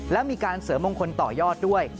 และมีการเสริมมงคลต่อยอดด้วย